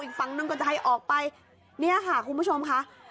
อีกฝั่งนึงก็จะให้ออกไปเนี่ยค่ะคุณผู้ชมค่ะ